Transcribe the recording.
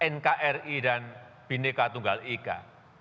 nkri dan bineka tunggal ika